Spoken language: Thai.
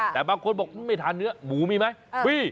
แต่บางคนบอกไม่ทานเนื้อหมูมีไหมมี